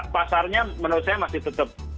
pasarnya menurut saya masih tetap